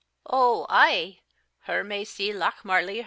"OO ay, hur may see Lochmarlie hursel."